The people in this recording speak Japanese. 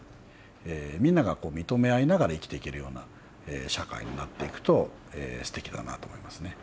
みんなが認め合いながら生きていけるような社会になっていくとすてきだなと思いますね。